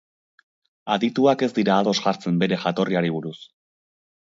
Adituak ez dira ados jartzen bere jatorriari buruz.